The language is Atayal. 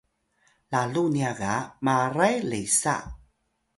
lalu nya ga Maray Lesa